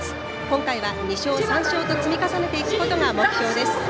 今回は２勝、３勝と積み重ねていくことが目標です。